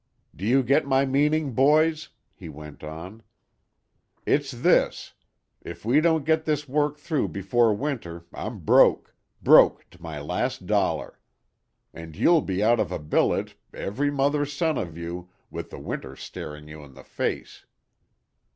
"Do you get my meaning, boys?" he went on. "It's this, if we don't get this work through before winter I'm broke broke to my last dollar. And you'll be out of a billet every mother's son of you with the winter staring you in the face."